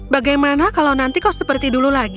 bagaimana kalau nanti kok seperti dulu lagi